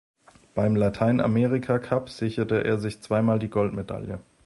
Beim Lateinamerika Cup sicherte er sich zweimal die Goldmedaille.